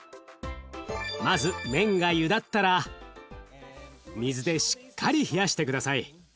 まず麺がゆだったら水でしっかり冷やして下さい。